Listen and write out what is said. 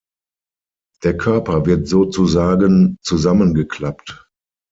Der Körper wird sozusagen ‚zusammengeklappt‘.